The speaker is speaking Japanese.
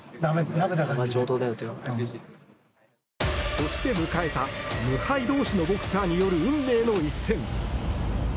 そして迎えた無敗同士のボクサーによる運命の一戦。